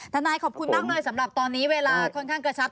ทนายขอบคุณมากเลยสำหรับตอนนี้เวลาค่อนข้างกระชับ